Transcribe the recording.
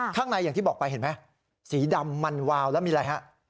ข้างในอย่างที่บอกไปเห็นไหมสีดำมันวาวแล้วมีอะไรฮะ